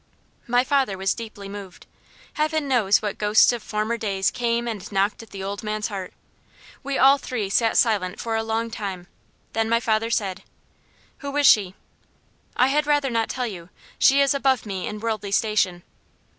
My father was deeply moved. Heaven knows what ghosts of former days came and knocked at the old man's heart. We all three sat silent for a long time, then my father said: "Who is she?" "I had rather not tell you. She is above me in worldly station."